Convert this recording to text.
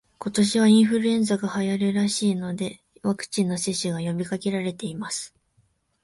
今年はインフルエンザが流行るらしいので、ワクチンの接種が呼びかけられています